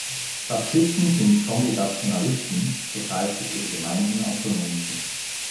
Baptisten sind Kongregationalisten, das heißt, dass ihre Gemeinden autonom sind.